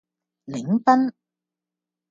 檸賓